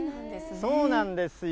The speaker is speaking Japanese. そうなんですよ。